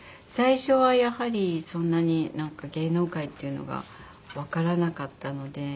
最初はやはりそんなになんか芸能界っていうのがわからなかったので。